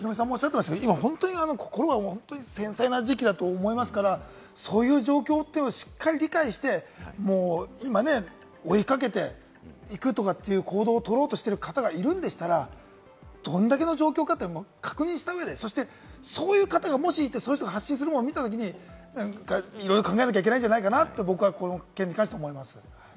今、本当に心が繊細な時期だと思いますから、そういう状況をしっかり理解して、今、追いかけていくとかという行動を取ろうとしている方がいるんでしたら、どんだけの状況かというのを確認した上で、そして、そういう方がもしいて、その人が発信するものを見たときにいろいろ考えなきゃいけないんじゃないかなと僕はこの件に関して思います。